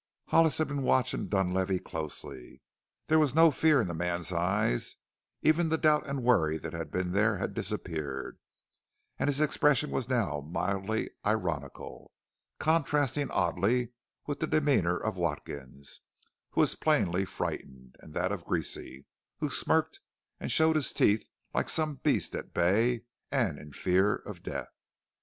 Hollis had been watching Dunlavey closely. There was no fear in the man's eyes; even the doubt and worry that had been there had disappeared and his expression was now mildly ironical, contrasting oddly with the demeanor of Watkins who was plainly frightened and that of Greasy who smirked and showed his teeth like some beast at bay and in fear of death.